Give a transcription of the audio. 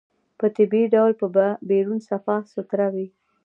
په طبيعي ډول به بيرون صفا سوتره وي.